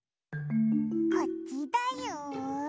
こっちだよ。